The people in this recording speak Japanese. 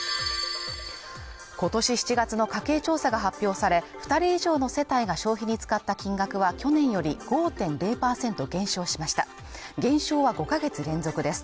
今年７月の家計調査が発表され二人以上の世帯が消費に使った金額は去年より５．６％減少しました減少は５か月連続です